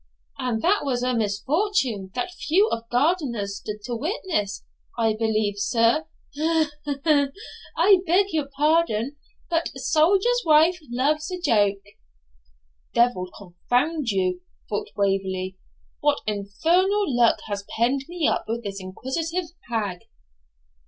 'And that was a misfortune that few of Gardiner's stood to witness, I believe, sir ha! ha! ha! I beg your pardon; but a soldier's wife loves a joke.' 'Devil confound you,' thought Waverley: 'what infernal luck has penned me up with this inquisitive hag!'